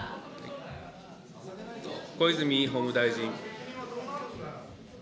小泉法務大臣。